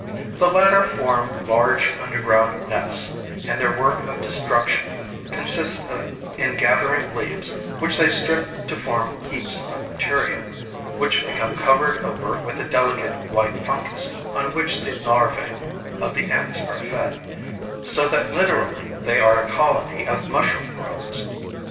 The latter form large underground nests, and their work of destruction consists in gathering leaves, which they strip to form heaps of material, which become covered over with a delicate white fungus, on which the larvæ of the ants are fed, so that literally they are a colony of mushroom growers.